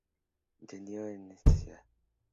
Entiendo a esta ciudad.